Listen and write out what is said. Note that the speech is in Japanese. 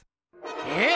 えっ！